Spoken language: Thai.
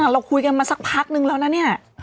เราคุยกันมาสักพักนึงแล้วนะเนี่ย